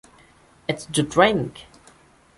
It's the drink!